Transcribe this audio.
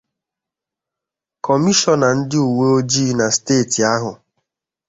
Kọmishọna ndị uweojii na steeti ahụ